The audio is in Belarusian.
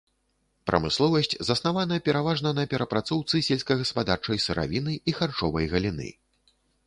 Прамысловасць заснавана пераважна на перапрацоўцы сельскагаспадарчай сыравіны і харчовай галіны.